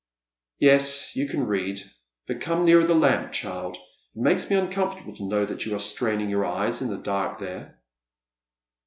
" Yes, you can read, but come nearer the lamp, child ; it makes me uncomfortable to know that you are straining your eyes in the dark there."